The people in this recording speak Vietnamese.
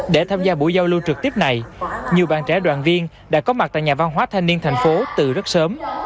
để tham gia buổi giao lưu trực tiếp này nhiều bạn trẻ đoàn viên đã có mặt tại nhà văn hóa thanh niên thành phố từ rất sớm